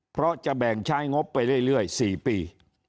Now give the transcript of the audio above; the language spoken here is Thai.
เพราะจะแบ่งใช้งบไปเรื่อยเรื่อยสี่ปี